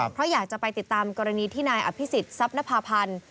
เพราะอยากจะไปติดตามกรณีที่นายอภิษฎทรัพย์นภาพันธ์